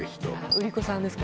売り子さんですか？